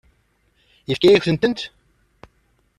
Yefka-yakent-tent?